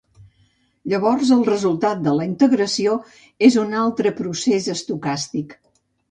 Llavors, el resultat de la integració és un altre procés estocàstic.